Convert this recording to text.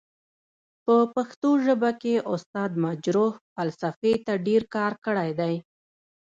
په پښتو ژبه کې استاد مجرح فلسفې ته ډير کار کړی دی.